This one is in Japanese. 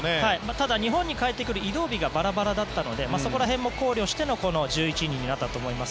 ただ、日本に帰ってくる移動日もバラバラだったのでそこら辺も考慮してのこの１１人になったと思います。